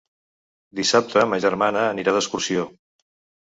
Dissabte ma germana anirà d'excursió.